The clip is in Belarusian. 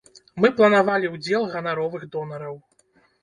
Мы планавалі ўдзел ганаровых донараў.